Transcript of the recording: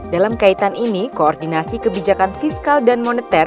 dalam kaitan ini koordinasi kebijakan fiskal dan moneter